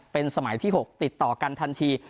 เป็นสมัยที่๖ติดต่อกันทันที